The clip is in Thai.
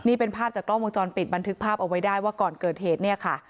นี่เป็นภาพจากกล้องวงจรปิดบันทึกภาพเอาไว้ได้ว่าก่อนเกิดเหตุเนี่ยค่ะ